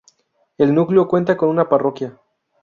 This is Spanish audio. El núcleo cuenta con una parroquia.